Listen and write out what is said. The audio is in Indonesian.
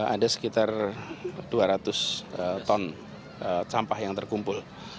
ada sekitar dua ratus ton sampah yang terkumpul